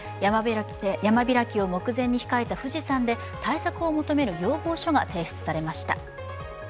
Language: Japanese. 山開きを目前に控えた富士山で対策を求める要望書が提出されました。